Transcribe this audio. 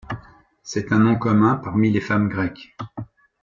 C'est un nom commun parmi les femmes grecques.